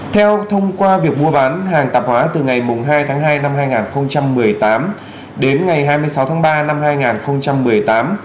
theo thông qua việc mua bán hàng tạp hóa từ ngày hai tháng hai năm hai nghìn một mươi tám đến ngày hai mươi sáu tháng ba năm hai nghìn một mươi tám